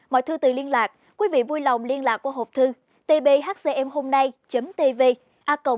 mọi thư từ liên lạc quý vị vui lòng liên lạc qua hộp thư tbhcmhômnay tv a gmail com